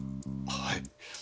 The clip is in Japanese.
はい。